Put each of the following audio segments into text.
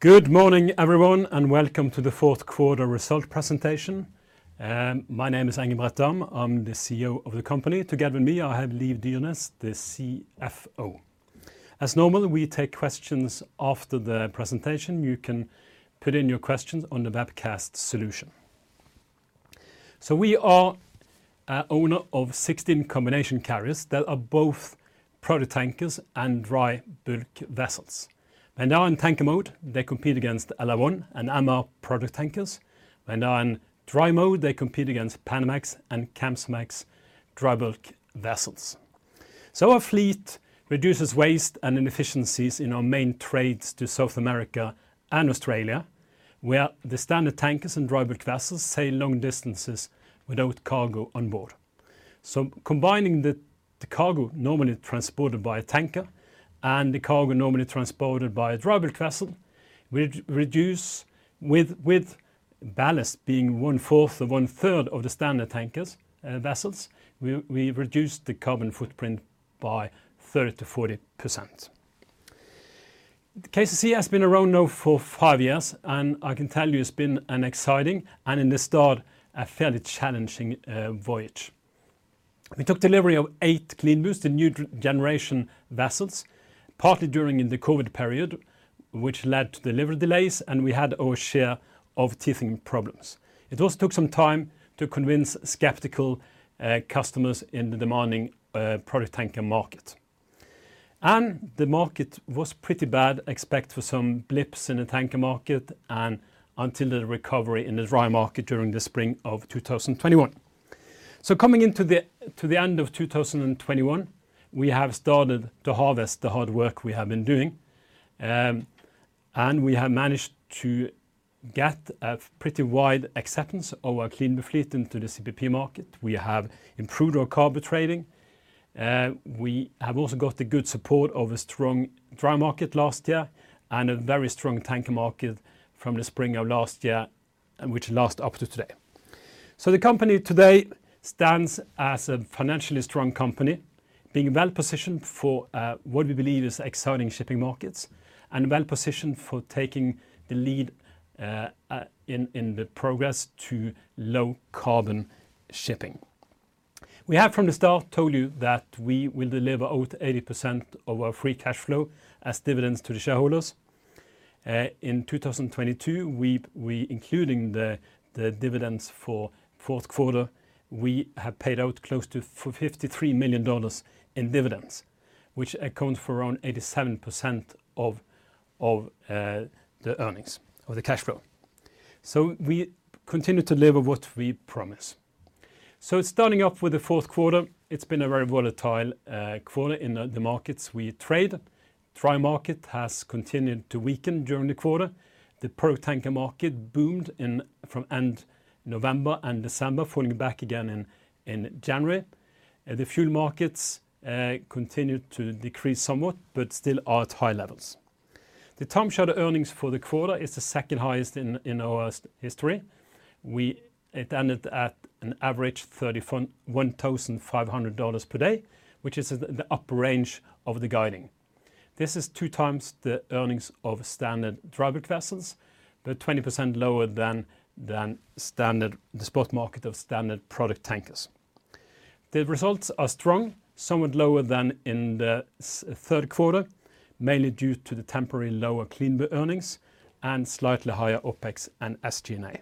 Good morning, everyone, and welcome to the Q4 result presentation. My name is Engebret Dahm. I'm the CEO of the company. Together with me, I have Liv Dyrnes, the CFO. As normal, we take questions after the presentation. You can put in your questions on the webcast solution. We are a owner of 16 combination carriers that are both product tankers and dry bulk vessels. When they are in tanker mode, they compete against LR1 and MR product tankers. When they are in dry mode, they compete against Panamax and Kamsarmax dry bulk vessels. Our fleet reduces waste and inefficiencies in our main trades to South America and Australia, where the standard tankers and dry bulk vessels sail long distances without cargo on board. Combining the cargo normally transported by a tanker and the cargo normally transported by a dry bulk vessel, we reduce with ballast being one-fourth or one-third of the standard tankers, vessels, we reduce the carbon footprint by 30%-40%. KCC has been around now for five years, and I can tell you it's been an exciting and in the start, a fairly challenging voyage. We took delivery of eight CLEANBUs, the new generation vessels, partly during in the COVID period, which led to delivery delays, and we had our share of teething problems. It also took some time to convince skeptical customers in the demanding product tanker market. The market was pretty bad except for some blips in the tanker market and until the recovery in the dry market during the spring of 2021. Coming into the, to the end of 2021, we have started to harvest the hard work we have been doing. And we have managed to get a pretty wide acceptance of our CLEANBU fleet into the CPP market. We have improved our cargo trading. We have also got the good support of a strong dry market last year and a very strong tanker market from the spring of last year, and which last up to today. The company today stands as a financially strong company being well-positioned for what we believe is exciting shipping markets and well-positioned for taking the lead in the progress to low carbon shipping. We have from the start told you that we will deliver out 80% of our free cash flow as dividends to the shareholders. In 2022, including the dividends for Q4, we have paid out close to $53 million in dividends, which accounts for around 87% of the earnings or the cash flow. We continue to deliver what we promise. Starting off with the Q4, it's been a very volatile quarter in the markets we trade. Dry market has continued to weaken during the quarter. The product tanker market boomed in from end November and December, falling back again in January. The fuel markets continued to decrease somewhat, but still are at high levels. The time charter earnings for the quarter is the second highest in our history. It ended at an average $31,500 per day, which is the upper range of the guiding. This is 2x the earnings of standard dry bulk vessels, but 20% lower than the spot market of standard product tankers. The results are strong, somewhat lower than in the Q3, mainly due to the temporary lower CLEANBU earnings and slightly higher OpEx and SG&A.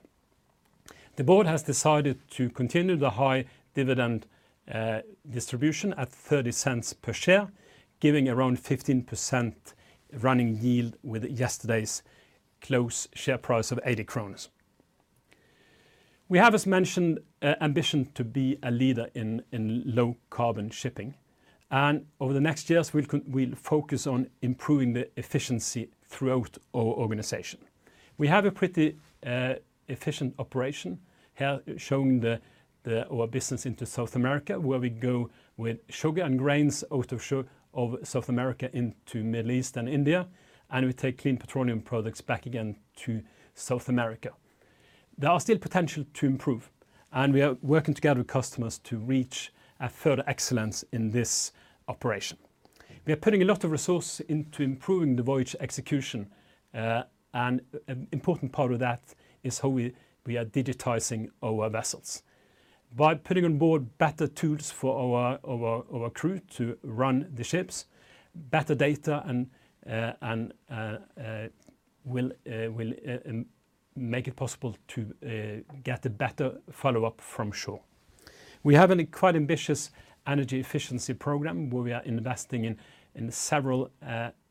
The board has decided to continue the high dividend distribution at $0.30 per share, giving around 15% running yield with yesterday's close share price of 80 crores. We have, as mentioned, a ambition to be a leader in low carbon shipping, and over the next years, we'll focus on improving the efficiency throughout our organization. We have a pretty efficient operation. Here showing our business into South America, where we go with sugar and grains out of South America into Middle East and India, and we take clean petroleum products back again to South America. There are still potential to improve, and we are working together with customers to reach a further excellence in this operation. We are putting a lot of resources into improving the voyage execution, and an important part of that is how we are digitizing our vessels. By putting on board better tools for our crew to run the ships, better data and will make it possible to get a better follow-up from shore. We have an quite ambitious energy efficiency program, where we are investing in several,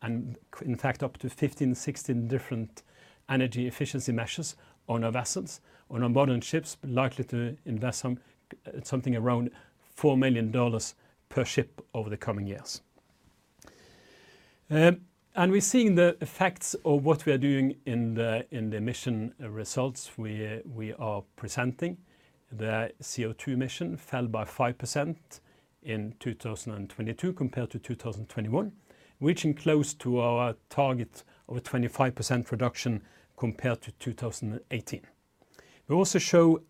and in fact, up to 15, 16 different energy efficiency measures on our vessels. On our modern ships, likely to invest something around $4 million per ship over the coming years. And we're seeing the effects of what we are doing in the emission results we are presenting. The CO₂ emission fell by 5% in 2022 compared to 2021, reaching close to our target of a 25% reduction compared to 2018. We also show,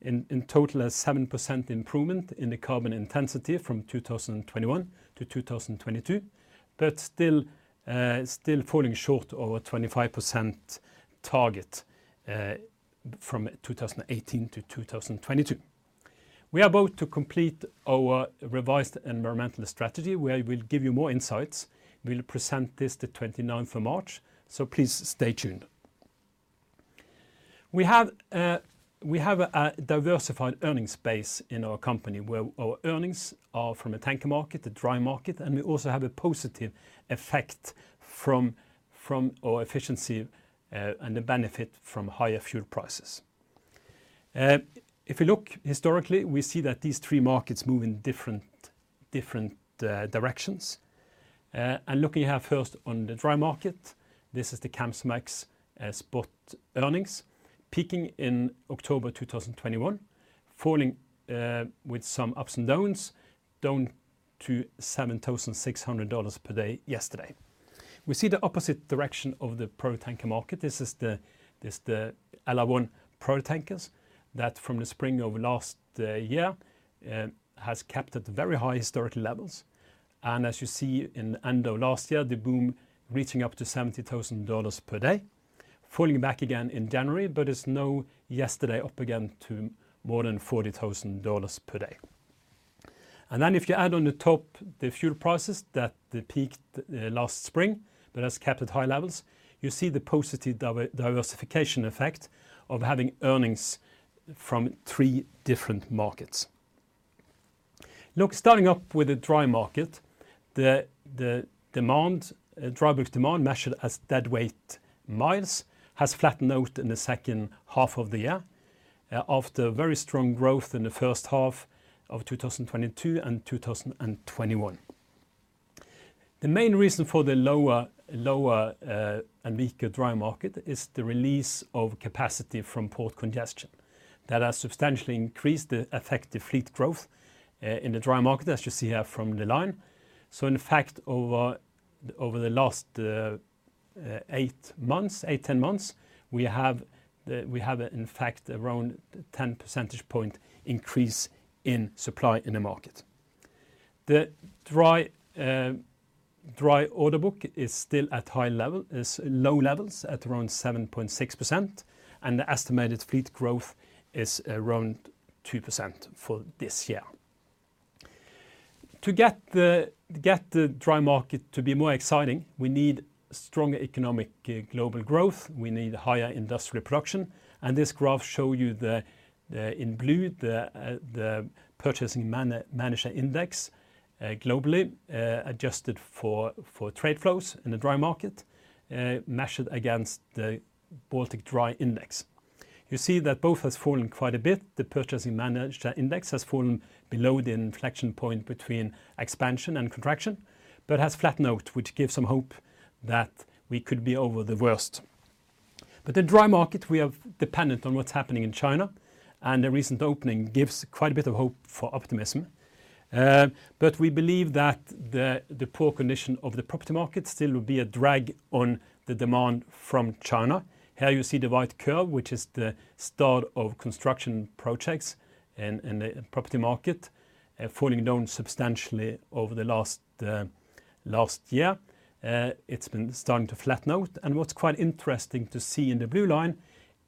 in total a 7% improvement in the carbon intensity from 2021 to 2022, but still falling short of a 25% target, from 2018 to 2022. We are about to complete our revised environmental strategy, where we'll give you more insights. We'll present this the 29th of March. Please stay tuned. We have a diversified earnings base in our company, where our earnings are from a tanker market, the dry market, and we also have a positive effect from our efficiency and the benefit from higher fuel prices. If you look historically, we see that these three markets move in different directions. Looking here first on the dry market, this is the Capesize spot earnings peaking in October 2021, falling with some ups and downs, down to $7,600 per day yesterday. We see the opposite direction of the product tanker market. This is the LR1 product tankers that from the spring of last year has kept at very high historical levels. As you see in end of last year, the boom reaching up to $70,000 per day, falling back again in January, but it's now yesterday up again to more than $40,000 per day. If you add on the top the fuel prices that they peaked last spring, but has kept at high levels, you see the positive diversification effect of having earnings from three different markets. Look, starting up with the dry market, the demand, dry bulk demand measured as deadweight-ton miles has flattened out in the H2 of the year after very strong growth in the first half of 2022 and 2021. The main reason for the lower, and weaker dry market is the release of capacity from port congestion that has substantially increased the effective fleet growth in the dry market, as you see here from the line. In fact, over the last 8-10 months, we have in fact around 10 percentage point increase in supply in the market. The dry order book is still at low levels at around 7.6%, and the estimated fleet growth is around 2% for this year. To get the dry market to be more exciting, we need strong economic global growth. We need higher industrial production. This graph show you the in blue the Purchasing Managers' Index globally adjusted for trade flows in the dry market measured against the Baltic Dry Index. You see that both has fallen quite a bit. The Purchasing Managers' Index has fallen below the inflection point between expansion and contraction, but has flattened out, which gives some hope that we could be over the worst. The dry market we are dependent on what's happening in China, and the recent opening gives quite a bit of hope for optimism. We believe that the poor condition of the property market still will be a drag on the demand from China. Here you see the white curve, which is the start of construction projects in the property market, falling down substantially over the last year. It's been starting to flatten out. What's quite interesting to see in the blue line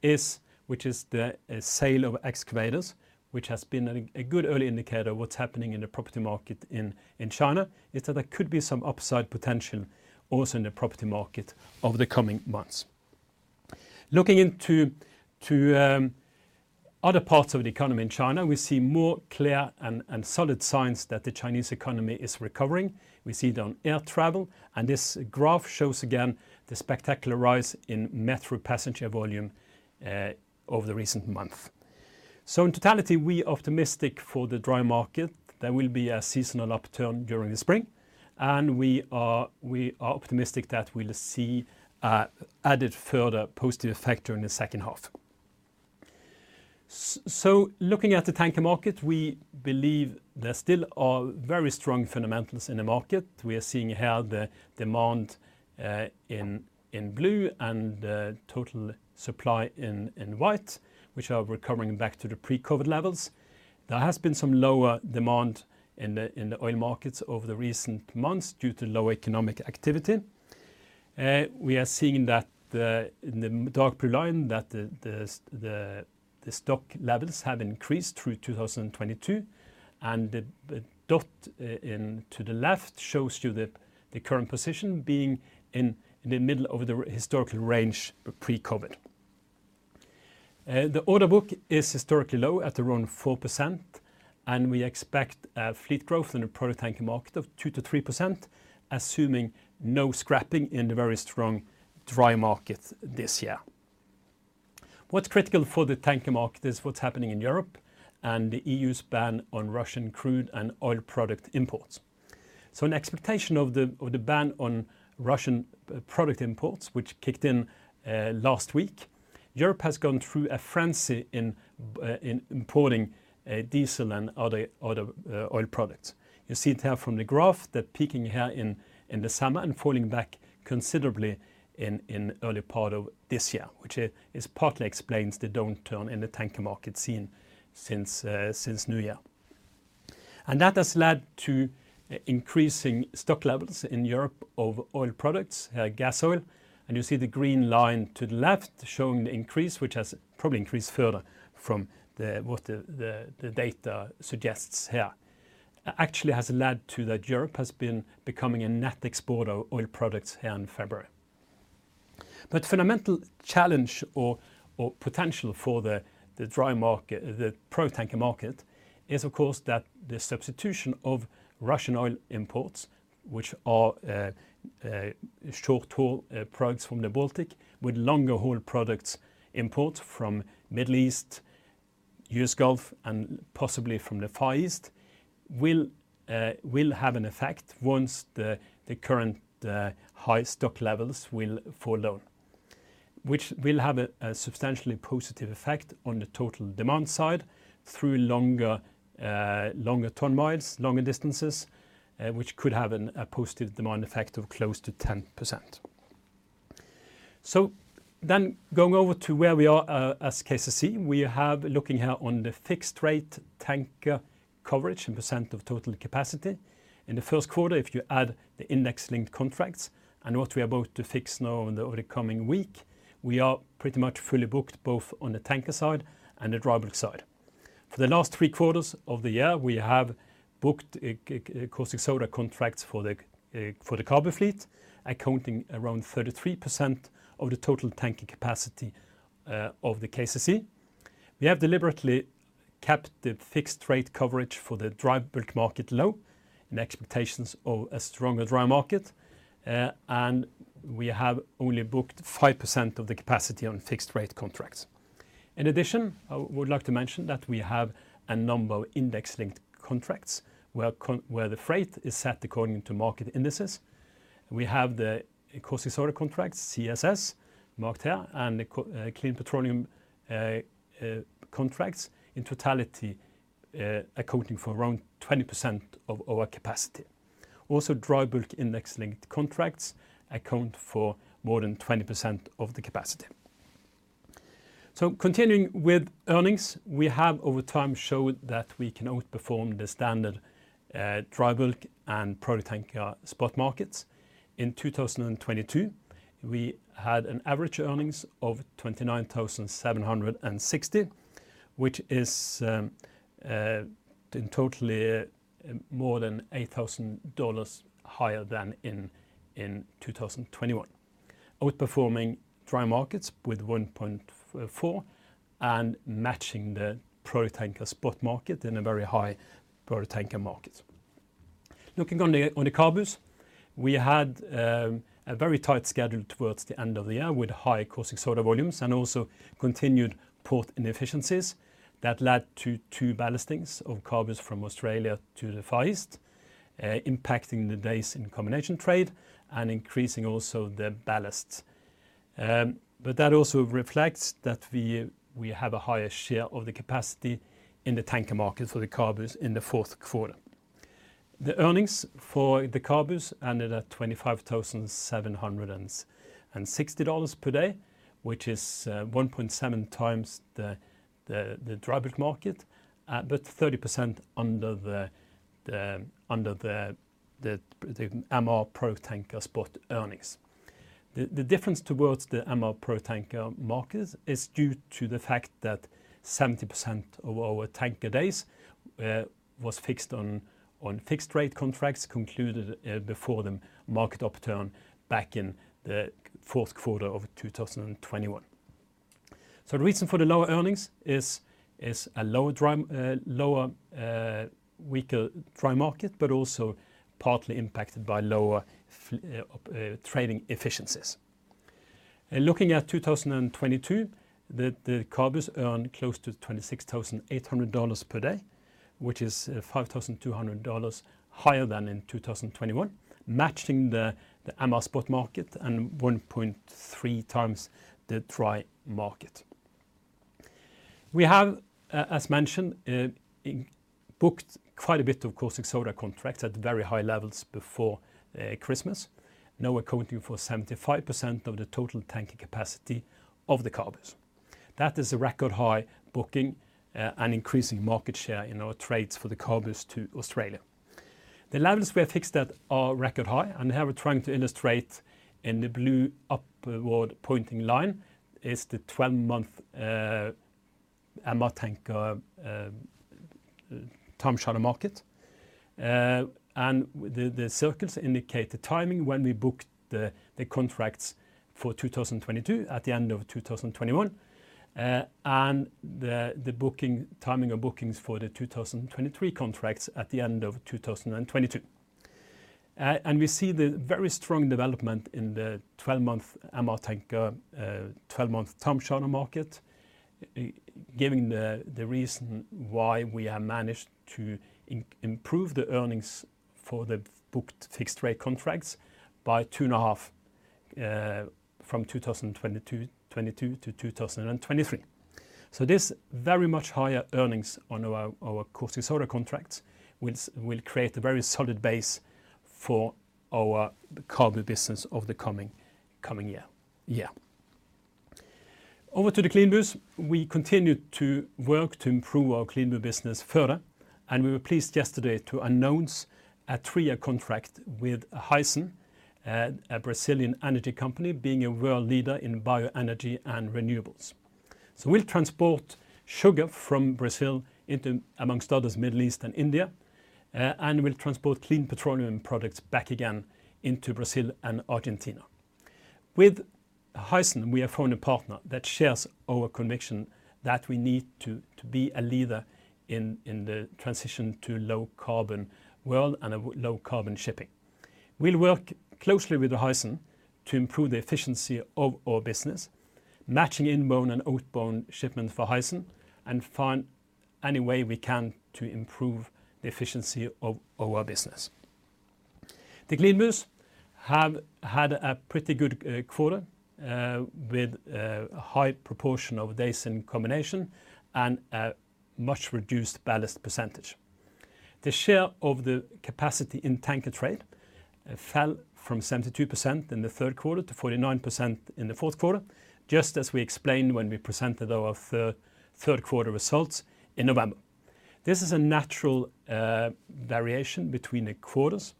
is which is the sale of excavators, which has been a good early indicator of what's happening in the property market in China, is that there could be some upside potential also in the property market over the coming months. Looking into other parts of the economy in China, we see more clear and solid signs that the Chinese economy is recovering. We see it on air travel, and this graph shows again the spectacular rise in metro passenger volume over the recent month. In totality, we are optimistic for the dry market. There will be a seasonal upturn during the spring. We are optimistic that we'll see a added further positive factor in the H2. Looking at the tanker market, we believe there still are very strong fundamentals in the market. We are seeing here the demand in blue and total supply in white, which are recovering back to the pre-COVID levels. There has been some lower demand in the oil markets over the recent months due to lower economic activity. We are seeing that the, in the dark blue line that the stock levels have increased through 2022. The dot in to the left shows you the current position being in the middle of the historical range pre-COVID. The order book is historically low at around 4%, and we expect fleet growth in the product tanker market of 2%-3%, assuming no scrapping in the very strong dry market this year. What's critical for the tanker market is what's happening in Europe and the EU's ban on Russian crude and oil product imports. In expectation of the, of the ban on Russian product imports, which kicked in last week, Europe has gone through a frenzy in importing, diesel and other, oil products. You see it here from the graph, the peaking here in the summer and falling back considerably in early part of this year, which is partly explains the downturn in the tanker market seen since New Year. That has led to increasing stock levels in Europe of oil products, gas oil, and you see the green line to the left showing the increase which has probably increased further from what the data suggests here. Actually has led to that Europe has been becoming a net exporter of oil products here in February. Fundamental challenge or potential for the dry market, the product tanker market is of course that the substitution of Russian oil imports which are short-haul products from the Baltic with longer-haul products imports from Middle East, U.S., Gulf and possibly from the Far East will have an effect once the current high stock levels will fall down. Which will have a substantially positive effect on the total demand side through longer ton-miles, longer distances, which could have a positive demand effect of close to 10%. Going over to where we are, as KCC, we have looking here on the fixed rate tanker coverage and percent of total capacity. In the Q1, if you add the index-linked contracts and what we are about to fix now over the coming week, we are pretty much fully booked both on the tanker side and the dry bulk side. For the last three quarters of the year, we have booked caustic soda contracts for the CABU fleet, accounting around 33% of the total tanker capacity of the KCC. We have deliberately kept the fixed rate coverage for the dry bulk market low in expectations of a stronger dry market. We have only booked 5% of the capacity on fixed rate contracts. In addition, I would like to mention that we have a number of index-linked contracts where the freight is set according to market indices. We have the caustic soda contracts, CSS, marked here, and the clean petroleum contracts in totality, accounting for around 20% of our capacity. Dry bulk index-linked contracts account for more than 20% of the capacity. Continuing with earnings, we have over time showed that we can outperform the standard dry bulk and product tanker spot markets. In 2022, we had an average earnings of $29,760, which is in totally more than $8,000 higher than in 2021. Outperforming dry markets with 1.4 and matching the product tanker spot market in a very high product tanker market. Looking on the CABUs, we had a very tight schedule towards the end of the year with high caustic soda volumes and also continued port inefficiencies that led to two ballastings of CABUs from Australia to the Far East, impacting the days in combination trade and increasing also the ballasts. That also reflects that we have a higher share of the capacity in the tanker market for the CABUs in the Q4. The earnings for the CABUs ended at $25,760 per day, which is 1.7x the dry bulk market, but 30% under the MR product tanker spot earnings. The difference towards the MR product tanker market is due to the fact that 70% of our tanker days was fixed on fixed rate contracts concluded before the market upturn back in the Q4 of 2021. The reason for the lower earnings is a lower dry, lower, weaker dry market, but also partly impacted by lower trading efficiencies. In looking at 2022, the CABUs earned close to $26,800 per day, which is $5,200 higher than in 2021, matching the MR spot market and 1.3x the dry market. We have, as mentioned, booked quite a bit of caustic soda contracts at very high levels before Christmas, now accounting for 75% of the total tanker capacity of the CABUs. That is a record high booking, and increasing market share in our trades for the CABUs to Australia. The levels we have fixed at are record high. Here we're trying to illustrate in the blue upward-pointing line is the 12-month MR tanker time charter market. The circles indicate the timing when we booked the contracts for 2022 at the end of 2021, and the timing of bookings for the 2023 contracts at the end of 2022. We see the very strong development in the 12-month MR tanker, 12-month time charter market, giving the reason why we have managed to improve the earnings for the booked fixed rate contracts by two and half from 2022 to 2023. This very much higher earnings on our caustic soda contracts will create a very solid base for our CABU business of the coming year. Over to the CLEANBUs. We continued to work to improve our CLEANBU business further, and we were pleased yesterday to announce a three year contract with Raízen, a Brazilian energy company being a world leader in bioenergy and renewables. We'll transport sugar from Brazil into, amongst others, Middle East and India, and we'll transport clean petroleum products back again into Brazil and Argentina. With Raízen, we have found a partner that shares our conviction that we need to be a leader in the transition to low-carbon world and a low-carbon shipping. We'll work closely with the Raízen to improve the efficiency of our business, matching inbound and outbound shipment for Raízen and find any way we can to improve the efficiency of our business. The CLEANBUs have had a pretty good quarter with a high proportion of days in combination and a much-reduced ballast percentage. The share of the capacity in tanker trade fell from 72% in the Q3 to 49% in the Q4, just as we explained when we presented our Q3 results in November. This is a natural variation between the quarters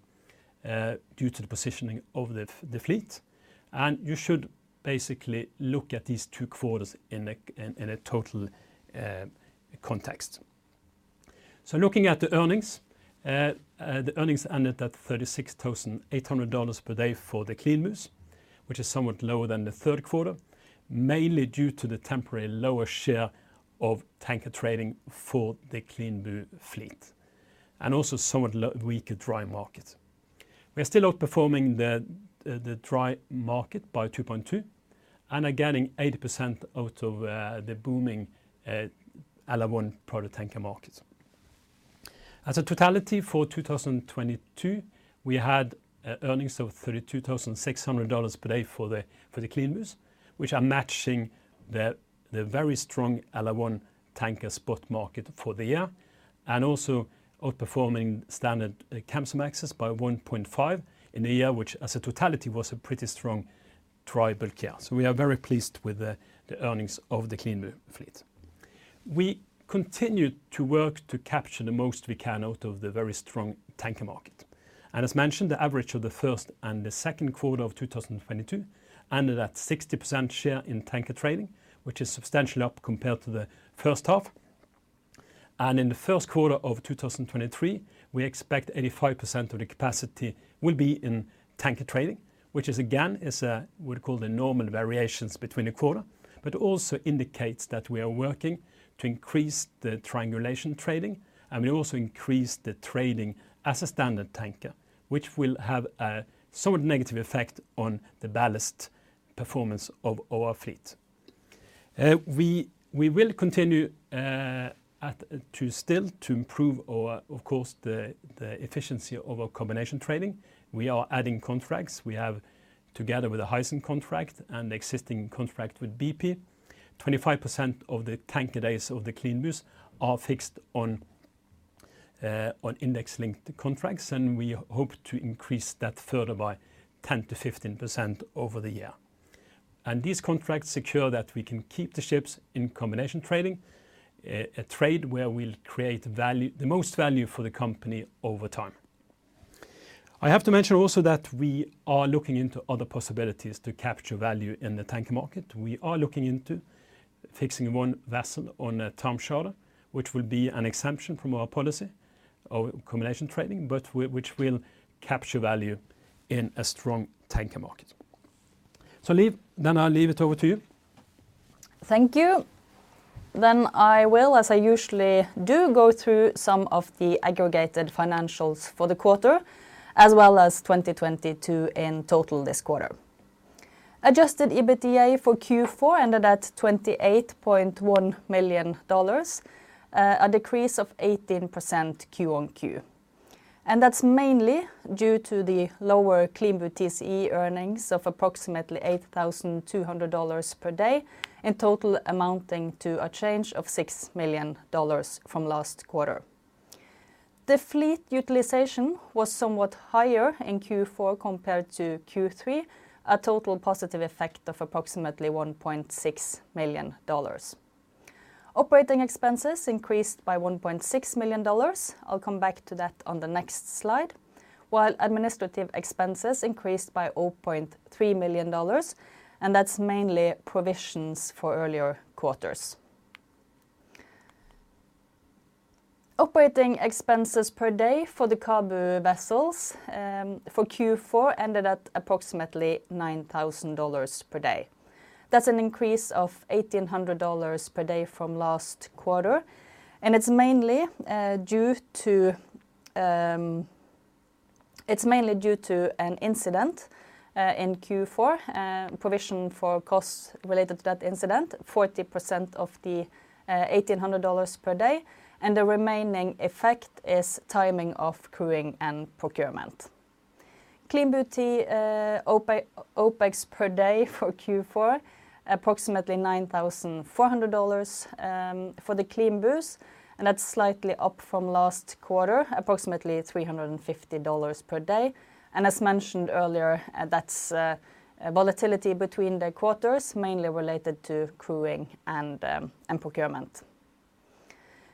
due to the positioning of the fleet, and you should basically look at these two quarters in a total context. Looking at the earnings, the earnings ended at $36,800 per day for the CLEANBUs, which is somewhat lower than the Q3, mainly due to the temporary lower share of tanker trading for the CLEANBU fleet and also somewhat weaker dry market. We are still outperforming the dry market by 2.2 and are gaining 80% out of the booming LR1 product tanker market. As a totality for 2022, we had earnings of $32,600 per day for the CLEANBUs, which are matching the very strong LR1 tanker spot market for the year and also outperforming standard Kamsarmaxes by 1.5 in a year which, as a totality, was a pretty strong dry bulk year. We are very pleased with the earnings of the CLEANBU fleet. We continued to work to capture the most we can out of the very strong tanker market. As mentioned, the average of the first and the second quarter of 2022 ended at 60% share in tanker trading, which is substantially up compared to the H1. In the Q1 of 2023, we expect 85% of the capacity will be in tanker trading, which is again, we'd call the normal variations between the quarter, but also indicates that we are working to increase the triangulation trading, and we also increase the trading as a standard tanker, which will have a somewhat negative effect on the ballast performance of our fleet. We will continue to improve our, of course, the efficiency of our combination trading. We are adding contracts. We have, together with the Raízen contract and existing contract with BP, 25% of the tanker days of the CLEANBUs are fixed on index-linked contracts, and we hope to increase that further by 10%-15% over the year. These contracts secure that we can keep the ships in combination trading, a trade where we'll create value, the most value for the company over time. I have to mention also that we are looking into other possibilities to capture value in the tanker market. We are looking into fixing one vessel on a time charter, which will be an exemption from our policy of combination trading, but which will capture value in a strong tanker market. Liv, then I'll leave it over to you. Thank you. I will, as I usually do, go through some of the aggregated financials for the quarter as well as 2022 in total this quarter. Adjusted EBITDA for Q4 ended at $28.1 million, a decrease of 18% Q-on-Q. That's mainly due to the lower CLEANBU TCE earnings of approximately $8,200 per day, in total amounting to a change of $6 million from last quarter. The fleet utilization was somewhat higher in Q4 compared to Q3, a total positive effect of approximately $1.6 million. Operating expenses increased by $1.6 million, I'll come back to that on the next slide, while administrative expenses increased by $0.3 million, that's mainly provisions for earlier quarters. Operating expenses per day for the CABU vessels, for Q4 ended at approximately $9,000 per day. That's an increase of $1,800 per day from last quarter. It's mainly due to an incident in Q4, provision for costs related to that incident, 40% of the $1,800 per day. The remaining effect is timing of crewing and procurement. CLEANBU OpEx per day for Q4, approximately $9,400 for the CLEANBUs. That's slightly up from last quarter, approximately $350 per day. As mentioned earlier, that's a volatility between the quarters, mainly related to crewing and procurement.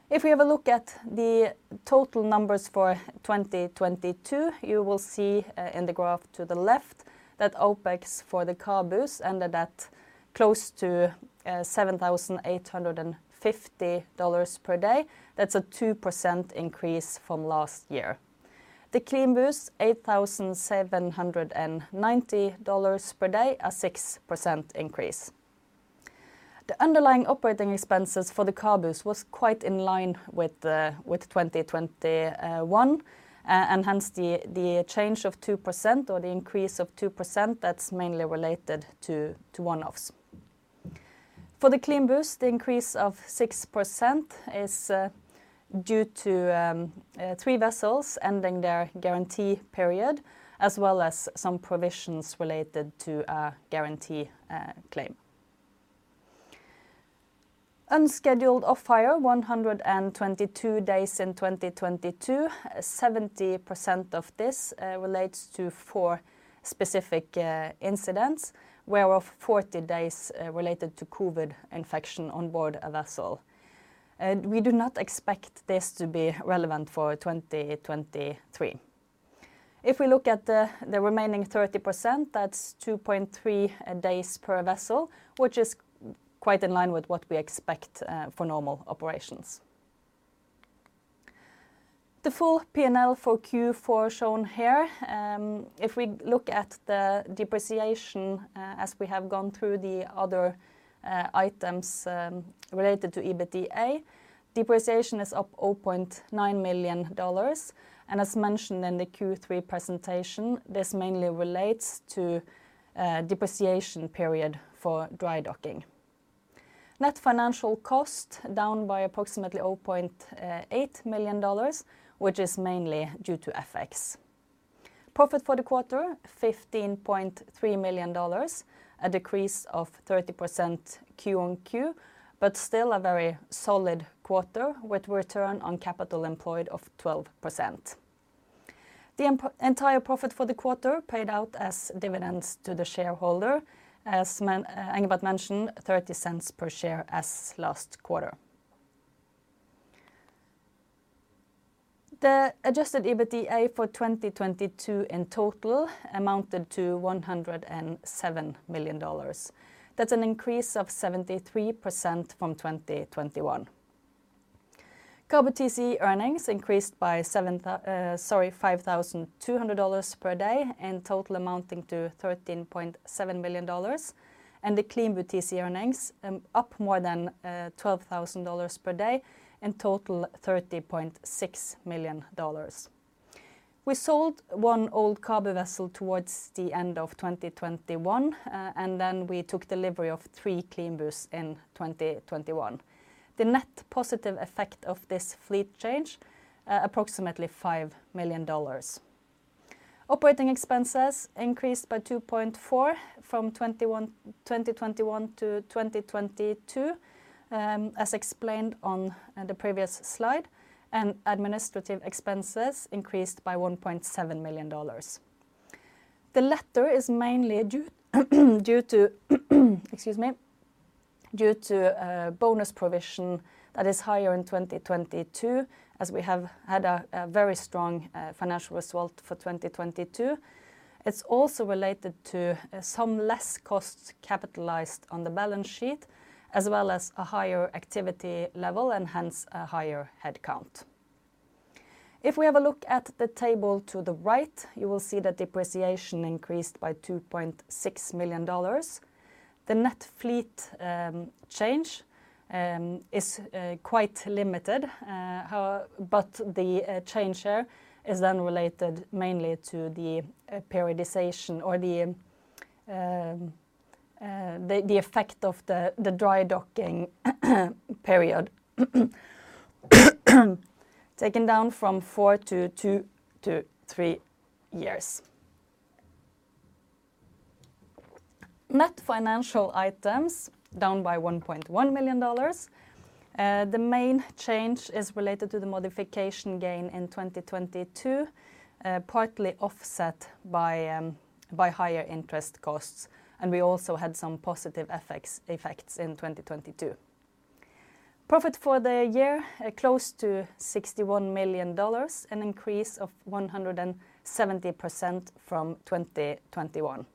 If we have a look at the total numbers for 2022, you will see in the graph to the left that OpEx for the CABU ended at close to $7,850 per day. That's a 2% increase from last year. The CLEANBU, $8,790 per day, a 6% increase. The underlying operating expenses for the CABU was quite in line with 2021, hence the change of 2% or the increase of 2% that's mainly related to one-offs. For the CLEANBU, the increase of 6% is due to three vessels ending their guarantee period, as well as some provisions related to a guarantee claim. Unscheduled off-hire, 122 days in 2022, 70% of this relates to four specific incidents, where of 40 days related to COVID infection on board a vessel. We do not expect this to be relevant for 2023. If we look at the remaining 30%, that's 2.3 days per vessel, which is quite in line with what we expect for normal operations. The full P&L for Q4 shown here, if we look at the depreciation, as we have gone through the other items related to EBITDA, depreciation is up $0.9 million. As mentioned in the Q3 presentation, this mainly relates to depreciation period for dry docking. Net financial cost down by approximately $0.8 million, which is mainly due to FX. Profit for the quarter, $15.3 million, a decrease of 30% Q-on-Q, but still a very solid quarter with Return on Capital Employed of 12%. The entire profit for the quarter paid out as dividends to the shareholder. As Engebret mentioned, $0.30 per share as last quarter. The Adjusted EBITDA for 2022 in total amounted to $107 million. That's an increase of 73% from 2021. CABU TCE earnings increased by $5,200 per day and total amounting to $13.7 million. The CLEANBU TCE earnings up more than $12,000 per day and total $30.6 million. We sold one old CABU vessel towards the end of 2021, and then we took delivery of three CLEANBUs in 2021. The net positive effect of this fleet change approximately $5 million. Operating expenses increased by $2.4 million from 2021 to 2022, as explained on the previous slide. Administrative expenses increased by $1.7 million. The latter is mainly due to, excuse me, due to a bonus provision that is higher in 2022, as we have had a very strong financial result for 2022. It's also related to some less costs capitalized on the balance sheet, as well as a higher activity level and hence a higher headcount. If we have a look at the table to the right, you will see that depreciation increased by $2.6 million. The net fleet change is quite limited but the change here is then related mainly to the periodization or the effect of the dry docking period taken down from four to two to three years. Net financial items down by $1.1 million. The main change is related to the modification gain in 2022, partly offset by higher interest costs. We also had some positive effects in 2022. Profit for the year, close to $61 million, an increase of 170% from 2021.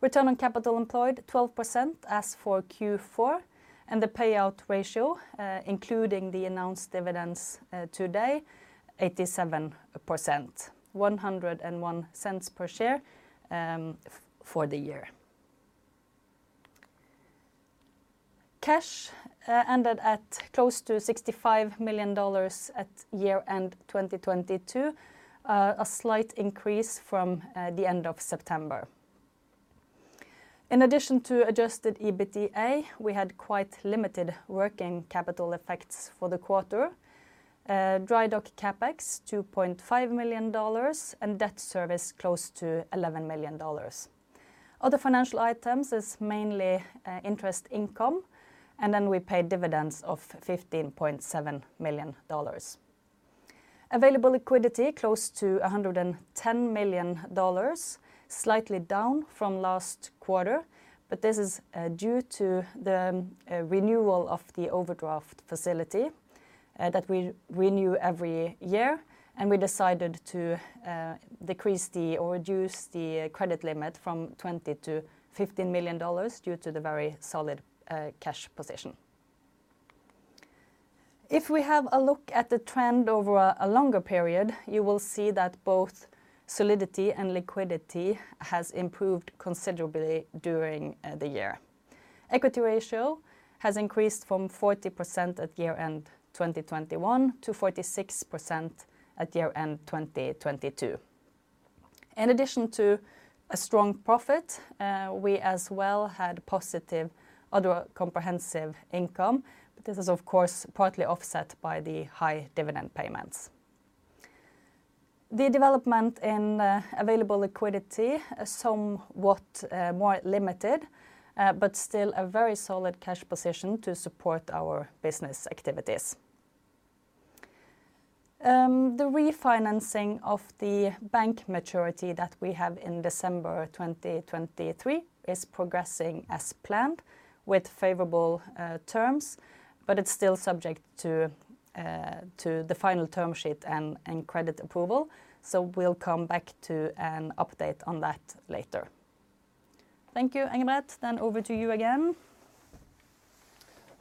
Return on Capital Employed, 12% as for Q4 and the pay-out ratio, including the announced dividends today, 87%, $1.01 per share for the year. Cash ended at close to $65 million at year-end 2022, a slight increase from the end of September. In addition to adjusted EBITDA, we had quite limited working capital effects for the quarter. Dry dock CapEx, $2.5 million. Debt service close to $11 million. Other financial items is mainly interest income. We paid dividends of $15.7 million. Available liquidity close to $110 million, slightly down from last quarter. This is due to the renewal of the overdraft facility that we renew every year. We decided to decrease the, or reduce the credit limit from $20 million to $15 million due to the very solid cash position. If we have a look at the trend over a longer period, you will see that both solidity and liquidity has improved considerably during the year. Equity ratio has increased from 40% at year end 2021 to 46% at year end 2022. In addition to a strong profit, we as well had positive other comprehensive income. This is of course partly offset by the high dividend payments. The development in available liquidity is somewhat more limited, but still a very solid cash position to support our business activities. The refinancing of the bank maturity that we have in December 2023 is progressing as planned with favorable terms, but it's still subject to the final term sheet and credit approval. We'll come back to an update on that later. Thank you, Engebret. Over to you again.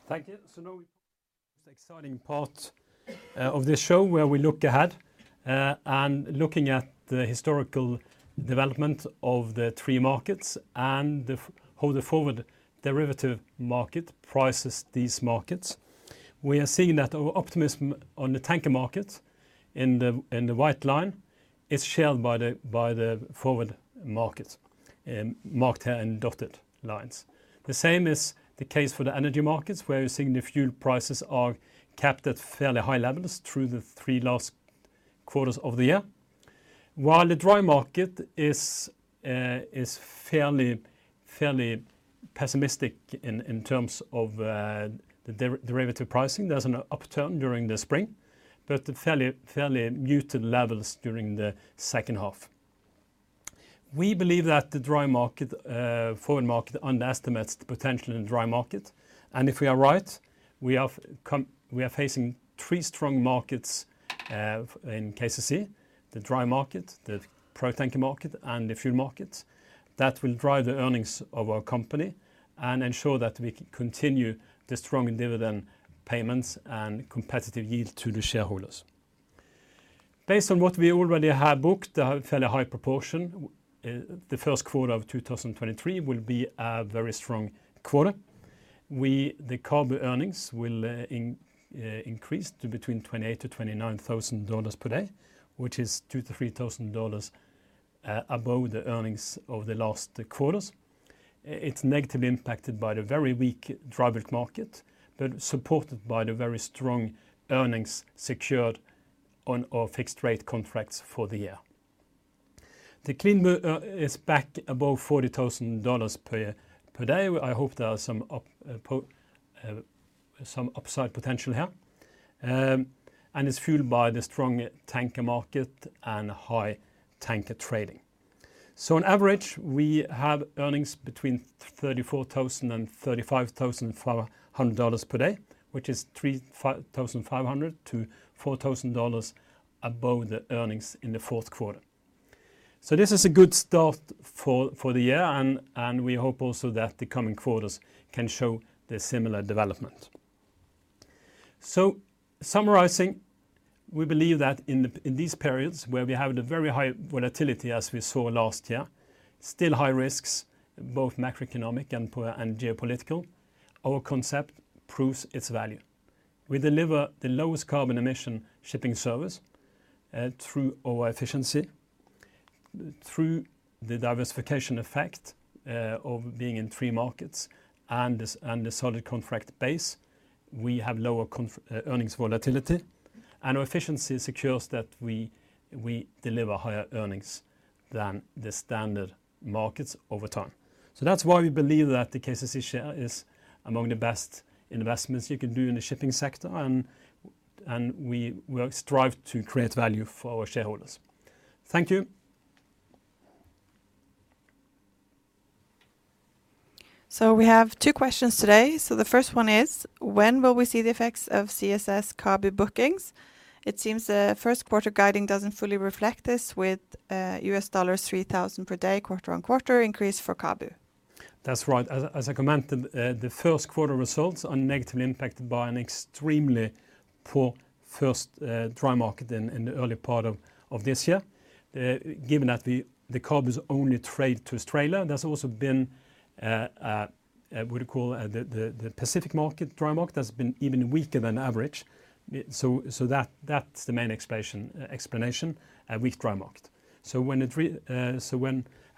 Thank you. Now we come to the most exciting part of this show where we look ahead, and looking at the historical development of the three markets and how the forward derivative market prices these markets. We are seeing that our optimism on the tanker market in the white line is shared by the forward markets, marked here in dotted lines. The same is the case for the energy markets where we're seeing the fuel prices are capped at fairly high levels through the three last quarters of the year. The dry market is fairly pessimistic in terms of the derivative pricing. There's an upturn during the spring, but fairly muted levels during the H2. We believe that the dry market foreign market underestimates the potential in dry market. If we are right, we are facing three strong markets in KCC, the dry market, the product tanker market, and the fuel market that will drive the earnings of our company and ensure that we continue the strong dividend payments and competitive yield to the shareholders. Based on what we already have booked, a fairly high proportion, the Q1 of 2023 will be a very strong quarter. The CABU earnings will increase to between $28,000-$29,000 per day, which is $2,000-$3,000 above the earnings of the last quarters. It's negatively impacted by the very weak dry bulk market, but supported by the very strong earnings secured on our fixed rate contracts for the year. The CLEAN is back above $40,000 per day. I hope there are some upside potential here. It's fuelled by the strong tanker market and high tanker trading. On average, we have earnings between $34,000 and $35,400 per day, which is $3,500 to $4,000 above the earnings in the Q4. This is a good start for the year and we hope also that the coming quarters can show the similar development. Summarizing, we believe that in these periods where we have the very high volatility as we saw last year, still high risks, both macroeconomic and geopolitical, our concept proves its value. We deliver the lowest carbon emission shipping service through our efficiency. Through the diversification effect of being in three markets and the solid contract base, we have lower earnings volatility, and our efficiency secures that we deliver higher earnings than the standard markets over time. That's why we believe that the KCC share is among the best investments you can do in the shipping sector, and we will strive to create value for our shareholders. Thank you. We have two questions today. The first one is: when will we see the effects of CSS CABU bookings? It seems the Q1 guiding doesn't fully reflect this with U.S. dollars $3,000 per day, quarter-on-quarter increase for CABU. That's right. As, as I commented, the first quarter results are negatively impacted by an extremely poor first dry market in the early part of this year. Given that the CABU is only trade to Australia, there's also been, I would call, the Pacific market, dry market, that's been even weaker than average. That, that's the main explanation, a weak dry market.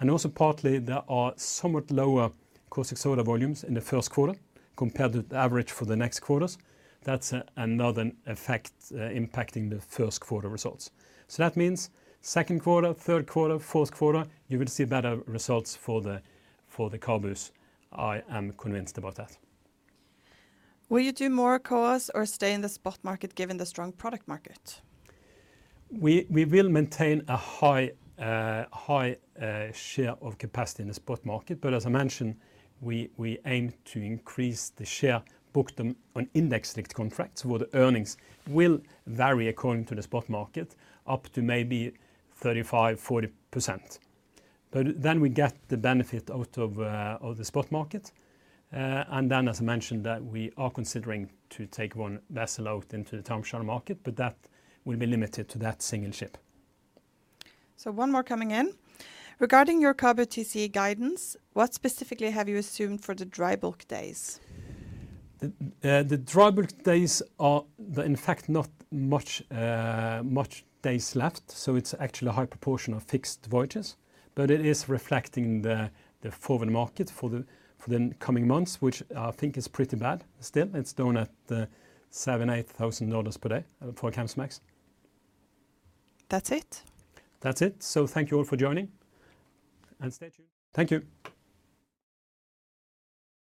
Also partly there are somewhat lower caustic soda volumes in the Q1 compared to the average for the next quarters. That's another effect impacting the Q1 results. That means Q2, Q3, Q4, you will see better results for the CABUs. I am convinced about that. Will you do more CoAs or stay in the spot market given the strong product market? We will maintain a high, high share of capacity in the spot market. As I mentioned, we aim to increase the share booked on index linked contracts, where the earnings will vary according to the spot market, up to maybe 35%, 40%. Then we get the benefit out of the spot market. As I mentioned that we are considering to take one vessel out into the time charter market, but that will be limited to that single ship. One more coming in. Regarding your CABU TC guidance, what specifically have you assumed for the dry bulk days? The dry bulk days are, in fact, not much days left. It's actually a high proportion of fixed voyages. It is reflecting the foreign market for the coming months, which I think is pretty bad still. It's down at $7,000, $8,000 per day for Capesize. That's it. That's it. Thank you all for joining. Stay tuned. Thank you.